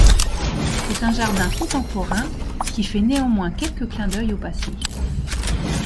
C’est un jardin contemporain qui fait néanmoins quelques clins d’œil au passé.